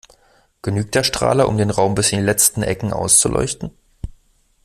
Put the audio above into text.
Genügt der Strahler, um den Raum bis in die letzten Ecken auszuleuchten?